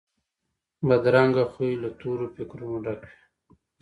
بدرنګه خوی له تورو فکرونو ډک وي